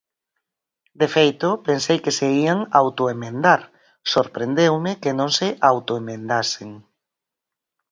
De feito, pensei que se ían autoemendar, sorprendeume que non se autoemendasen.